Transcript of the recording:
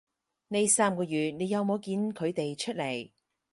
呢三個月你有冇見佢哋出來